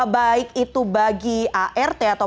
baik itu bagi art atau